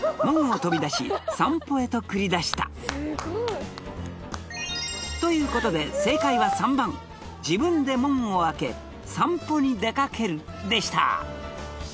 門を飛び出し散歩へと繰り出したということで正解は３番自分で門を開け散歩に出かけるでした